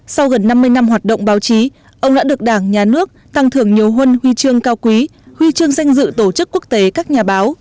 sau gần năm mươi năm hoạt động báo chí ông đã được đảng nhà nước tăng thưởng nhiều huân huy chương cao quý huy chương danh dự tổ chức quốc tế các nhà báo